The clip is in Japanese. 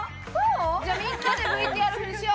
じゃあみんなでＶＴＲフリしよう。